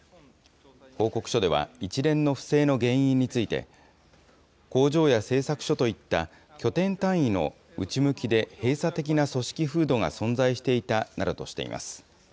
報告書では一連の不正の原因について、工場や製作所といった、拠点単位の内向きで閉鎖的な組織風土が存在していたなどとしています。